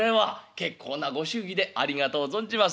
結構なご祝儀でありがとう存じます」。